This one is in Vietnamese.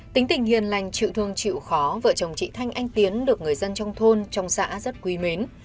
tính tình hiền lành chịu thương chịu khó vợ chồng chị thanh anh tiến được người dân trong thôn trong xã rất quý mến